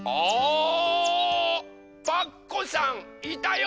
パクこさんいたよ！